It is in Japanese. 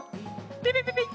ピピピピッ。